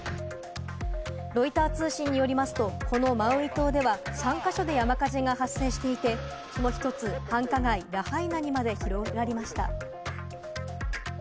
ロイター通信によりますと、このマウイ島では３か所で山火事が発生していて、その１つ、繁華街・ラハイナにまで広がりました。